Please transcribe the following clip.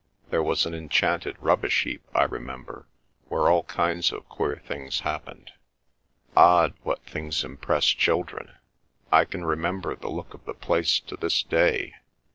There was an enchanted rubbish heap, I remember, where all kinds of queer things happened. Odd, what things impress children! I can remember the look of the place to this day.